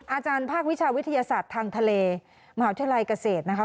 อาจารย์ภาควิชาวิทยาศาสตร์ทางทะเลมหาวิทยาลัยเกษตรนะคะ